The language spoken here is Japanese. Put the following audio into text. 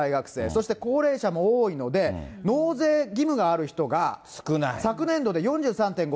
そして高齢者も多いので、納税義務がある人が、昨年度で４３．５％です。